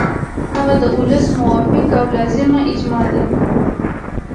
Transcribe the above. هغه د ولس موافقه او لازمه اجماع ده.